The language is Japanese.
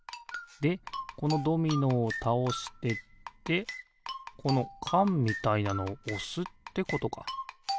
でこのドミノをたおしてってこのかんみたいなのをおすってことか。